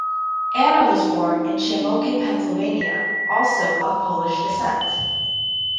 Anna was born in Shamokin, Pennsylvania, also of Polish descent.